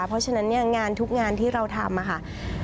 เพราะฉะนั้นทุกงานที่เราทำ